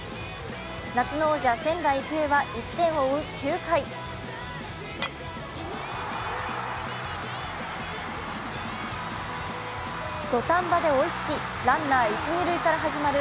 夏の王者・仙台育英は１点を追う９回土壇場で追いつき、ランナー、一・二塁から始まる